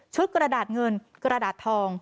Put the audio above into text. กระดาษเงินกระดาษทอง